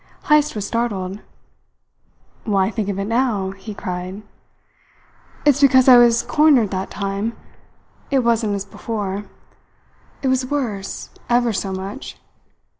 Heyst was startled. "Why think of it now?" he cried. "It's because I was cornered that time. It wasn't as before. It was worse, ever so much.